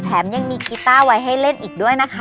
แถมยังมีกีต้าไว้ให้เล่นอีกด้วยนะคะ